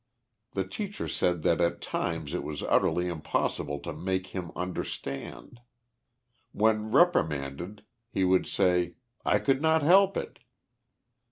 The teacher said that at times it was utterly im possible to make him understand. When reprimanded he would say, " I could not help it."